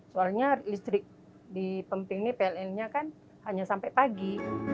soalnya listrik di pemping ini pln nya kan hanya sampai pagi